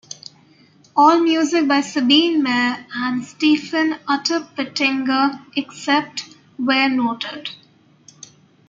All music by Sabine Mair and Stefan Unterpertinger except where noted.